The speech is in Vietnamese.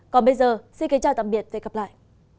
còn bây giờ xin kính chào tạm biệt và hẹn gặp lại